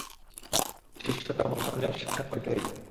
শিষ্যকে মনঃসংযম শিক্ষা করিতে হইবে।